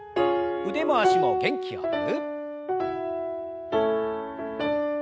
腕も脚も元気よく。